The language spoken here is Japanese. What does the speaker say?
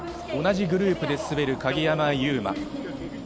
同じグループで滑る鍵山優真。